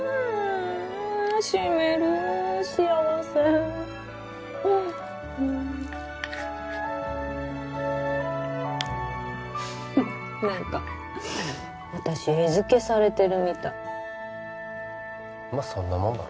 しみる幸せ何か私餌付けされてるみたいまっそんなもんだろ